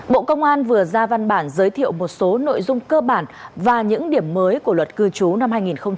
bộ công an vừa ra văn bản giới thiệu một số nội dung cơ bản và những điểm mới của luật cư trú năm hai nghìn hai mươi ba